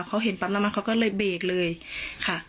เขาเห็นปั๊บน้ำมันเขาก็เลยเบรกเลยค่ะ